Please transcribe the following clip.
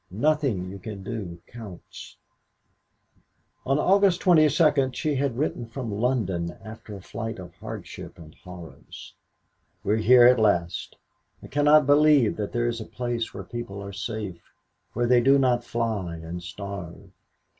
Nothing you can do counts." On August 22nd she had written from London after a flight of hardship and horrors: "We're here at last. I cannot believe that there is a place where people are safe, where they do not fly and starve.